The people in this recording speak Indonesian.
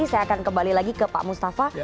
saya akan kembali lagi ke pak mustafa